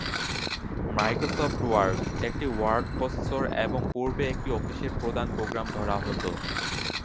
Microsoft Word একটি word processor এবং পূর্বে এটিকে অফিসের প্রধান প্রোগ্রাম ধরা হত।